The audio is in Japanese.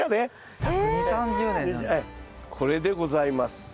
これでございます。